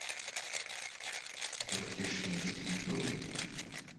Zbylo ti ještě něco k jídlu?